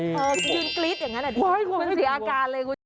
เออยืนกรี๊ดอย่างนั้นมันเสียอาการเลย